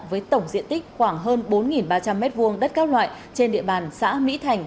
với tổng diện tích khoảng hơn bốn ba trăm linh m hai đất các loại trên địa bàn xã mỹ thành